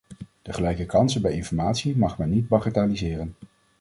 De gelijke kansen bij informatie mag men niet bagatelliseren.